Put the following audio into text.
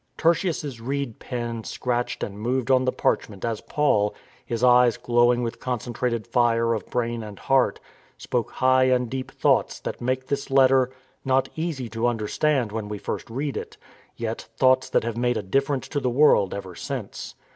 Tertius' reed pen scratched and moved on the parchment as Paul, his eyes glowing with concentrated fire of brain and heart, spoke high and deep thoughts that make this letter not easy to understand when we first read it, yet thoughts that have made a difference to the world ever since.